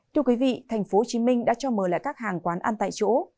thưa quý vị tp hcm đã cho mời lại các hàng quán ăn tại chỗ